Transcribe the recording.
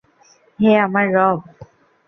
হে আমার রব!